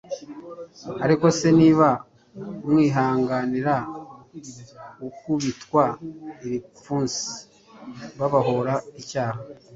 ariko se, niba mwihanganira gukubitwa ibipfunsi babahora icyaha,